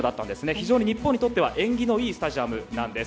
非常に、日本にとっては縁起のいいスタジアムなんです。